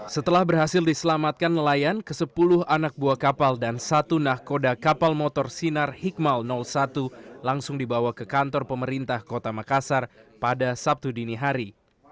setelah berhasil diselamatkan nelayan ke sepuluh anak buah kapal dan satu nahkoda kapal motor sinar hikmal satu langsung dibawa ke kantor pemerintah kota makassar pada sabtu dini hari